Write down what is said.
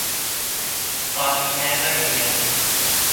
ตอนนี้ แม้จะมีเงิน